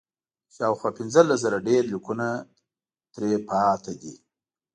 شاوخوا پنځلس زره ډبرلیکونه ترې پاتې دي